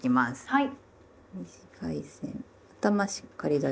はい。